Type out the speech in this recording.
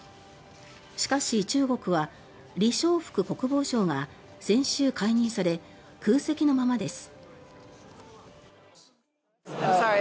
しかし、中国はリ・ショウフク国防相が先週、解任され空席のままです。